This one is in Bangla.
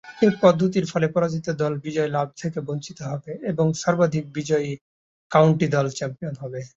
এ পদ্ধতির ফলে পরাজিত দল বিজয় লাভ থেকে বঞ্চিত হবে ও সর্বাধিক বিজয়ী কাউন্টি দল চ্যাম্পিয়ন হবে।